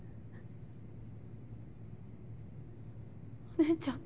お姉ちゃん？